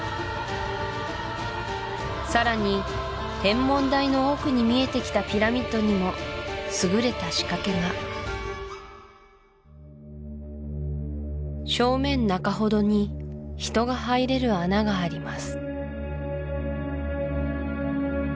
さらに天文台の奥に見えてきたピラミッドにも優れた仕掛けが正面中ほどに人が入れる穴があります